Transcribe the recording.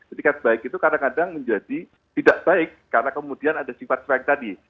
itikat baik itu kadang kadang menjadi tidak baik karena kemudian ada sifat strike tadi